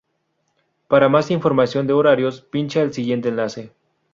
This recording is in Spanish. Para más información de horarios pincha el siguiente enlace.